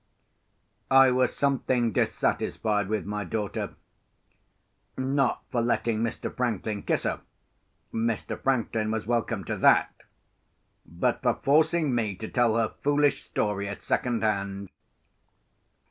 I was something dissatisfied with my daughter—not for letting Mr. Franklin kiss her; Mr. Franklin was welcome to that—but for forcing me to tell her foolish story at second hand.